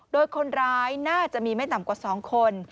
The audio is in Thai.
โดยคนร้ายน่าจะมีไม่ต่ำกว่า๒คน